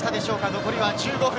残りは１５分。